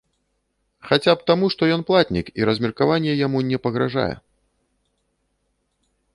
Хаця б таму, што ён платнік і размеркаванне яму не пагражае.